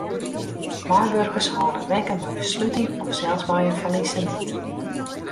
Meiwurkers hâlde rekken mei sluting of sels mei in fallisemint.